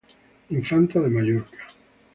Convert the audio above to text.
Infanta de Mallorca.